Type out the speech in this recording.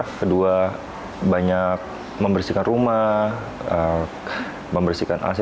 kedua banyak membersihkan rumah membersihkan ac